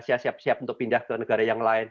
saya siap siap untuk pindah ke negara yang lain